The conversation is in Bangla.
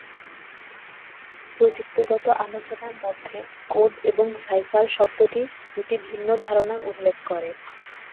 প্রযুক্তিগত আলোচনার মধ্যে, "কোড" এবং "সাইফার" শব্দটি দুটি ভিন্ন ধারণার উল্লেখ করে।